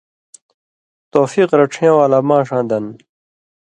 توفیق رڇھَیں والا ماݜاں دَن